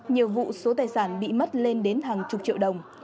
nhiều vụ số tài sản bị mất lên đến hàng chục triệu đồng